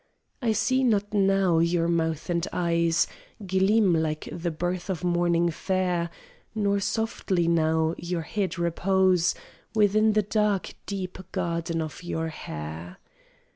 I see not now your mouth and eyes Gleam, like the birth of morning fair, Nor softly now your head repose Within the dark deep garden of your hair.